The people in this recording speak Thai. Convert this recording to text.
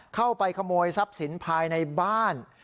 เข้าไปขโมยทรัพย์สินภายในบ้าน